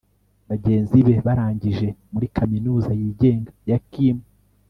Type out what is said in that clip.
bagenzi be barangije muri kaminuza yigenga ya kim